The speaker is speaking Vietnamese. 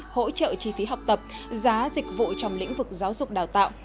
hỗ trợ chi phí học tập giá dịch vụ trong lĩnh vực giáo dục đào tạo